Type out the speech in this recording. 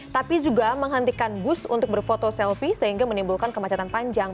tapi juga menghentikan bus untuk berfoto selfie sehingga menimbulkan kemacetan panjang